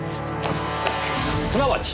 すなわち。